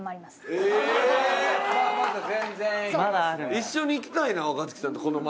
一緒に行きたいな若槻さんとこの街。